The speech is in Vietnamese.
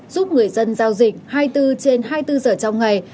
giúp người dân giao dịch hai mươi bốn trên hai mươi bốn giờ trong ngày